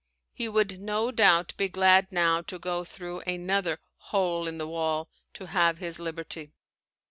He would no doubt be glad now to go through another "hole in the wall" to have his liberty.